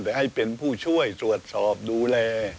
แต่ให้เป็นผู้ช่วยตรวจสอบดูแล